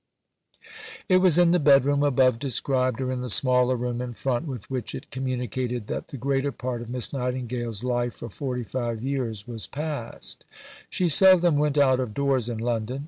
It was in the bedroom above described, or in the smaller room in front with which it communicated, that the greater part of Miss Nightingale's life for forty five years was passed. She seldom went out of doors in London.